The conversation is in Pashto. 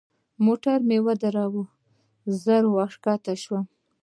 موټر مو ودراوه زه وركښته سوم.